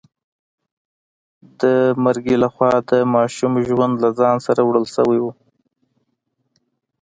د مرګي لخوا د ماشوم ژوند له ځان سره وړل شوی و.